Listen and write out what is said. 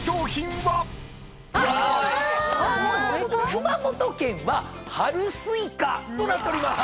熊本県は春スイカとなっておりまーす。